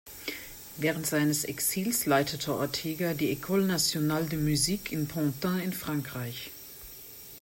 Während seines Exils leitete Ortega die Ecole Nationale de Musique in Pantin in Frankreich.